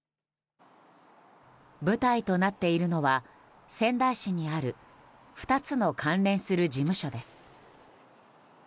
舞台となっているのは仙台市にある２つの関連する事務所です。